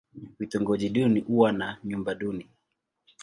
Vitongoji duni huwa na vyumba duni.